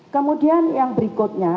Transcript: kemudian yang berikutnya